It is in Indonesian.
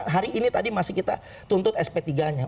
hari ini tadi masih kita tuntut sp tiga nya